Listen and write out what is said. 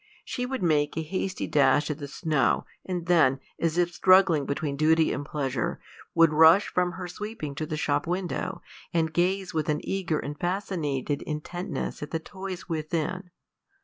She would make a hasty dash at the snow, and then, as if struggling between duty and pleasure, would rush from her sweeping to the shop window, and gaze with an eager and fascinated intentness at the toys within.